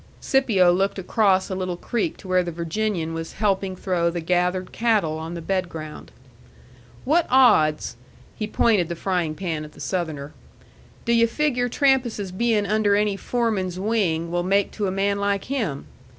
Scipio looked across a little creek to where the Virginian was helping throw the gathered cattle on the bedground. "What odds" he pointed the frying pan at the Southerner "d' yu' figure Trampas's being under any foreman's wing will make to a man like him?